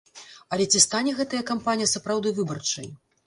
Але ці стане гэтая кампанія сапраўды выбарчай?